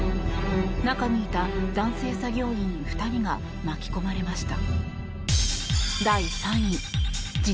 中にいた男性作業員２人が巻き込まれました。